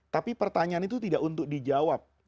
tapi pertanyaan itu tidak untuk dijawab